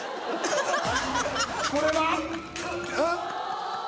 これは。